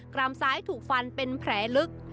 รามซ้ายถูกฟันเป็นแผลลึก